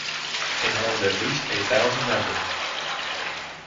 It has at least a thousand members.